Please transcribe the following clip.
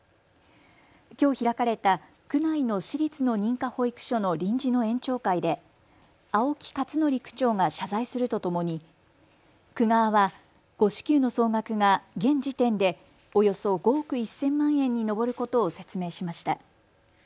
きょう開かれた区内の私立の認可保育所の臨時の園長会で青木克徳区長が謝罪するとともに区側は誤支給の総額が現時点でおよそ５億１０００万円に上ることを説明しました。